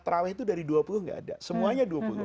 terawih itu dari dua puluh nggak ada semuanya